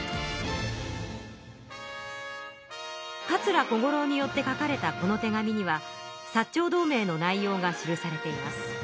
桂小五郎によって書かれたこの手紙には薩長同盟の内容が記されています。